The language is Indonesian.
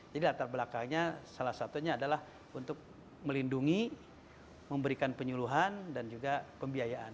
jadi latar belakangnya salah satunya adalah untuk melindungi memberikan penyuluhan dan juga pembiayaan